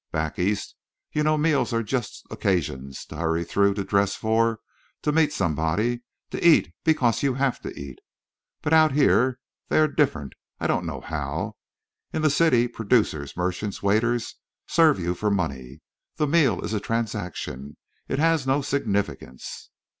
Back East you know meals are just occasions—to hurry through—to dress for—to meet somebody—to eat because you have to eat. But out here they are different. I don't know how. In the city, producers, merchants, waiters serve you for money. The meal is a transaction. It has no significance.